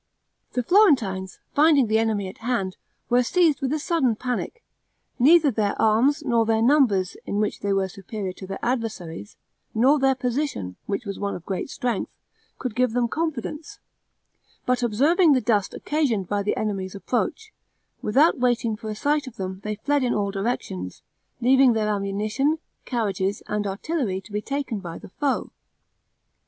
The Florentines, finding the enemy at hand, were seized with a sudden panic; neither their arms, nor their numbers, in which they were superior to their adversaries, nor their position, which was one of great strength, could give them confidence; but observing the dust occasioned by the enemy's approach, without waiting for a sight of them, they fled in all directions, leaving their ammunition, carriages, and artillery to be taken by the foe.